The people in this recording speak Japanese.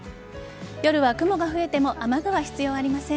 夜は雲が増えても雨具は必要ありません。